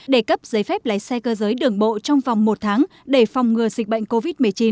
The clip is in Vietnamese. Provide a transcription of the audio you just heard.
để cấp giấy phép lái xe cơ giới đường bộ trong vòng một tháng để phòng ngừa dịch bệnh covid một mươi chín